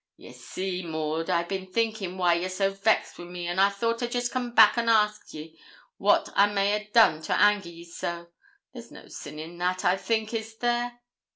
'Ye see, Maud, I've bin thinkin' why you're so vexed wi' me, an' I thought I'd jest come back an' ask ye what I may a' done to anger ye so; there's no sin in that, I think is there?'